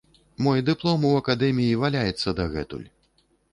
Мой дыплом у акадэміі валяецца дагэтуль.